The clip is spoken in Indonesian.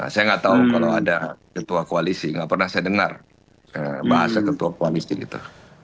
saya nggak tahu kalau ada ketua koalisi nggak pernah saya dengar bahasa ketua koalisi itu